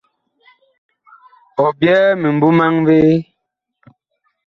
Ɔ byɛɛ mimbu maŋ vee ?